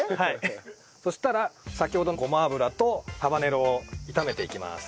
そしたら先ほどのごま油とハバネロを炒めていきます。